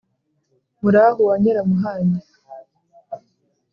murahu wa nyiramuhanyi